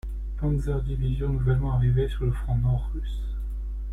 Panzerdivision, nouvellement arrivée sur le front nord russe.